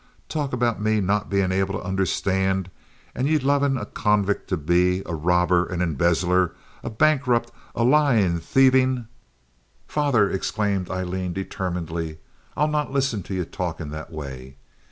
Talk about me not bein' able to understand, and ye lovin' a convict to be, a robber, an embezzler, a bankrupt, a lyin', thavin'—" "Father!" exclaimed Aileen, determinedly. "I'll not listen to you talking that way.